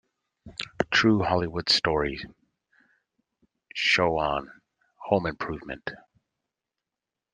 True Hollywood Story"'s show on "Home Improvement".